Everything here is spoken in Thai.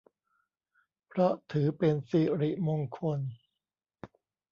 เพราะถือเป็นสิริมงคล